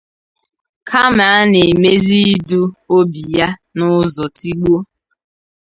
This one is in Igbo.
kama a na-emezi idu obi ya n'ụzọ 'tigbuo